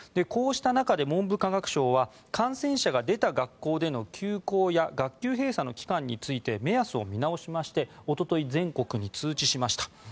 こうした中で文部科学省は感染者が出た学校での休校や学級閉鎖の期間について目安を見直しましておととい、全国に通知しました。